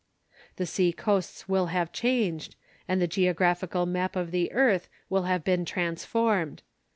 The sea coasts will have changed, and the geographical map of the earth will have been transformed.